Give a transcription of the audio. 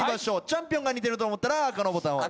チャンピオンが似てると思ったら赤のボタンを。